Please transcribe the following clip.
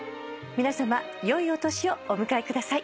皆さまよいお年をお迎えください。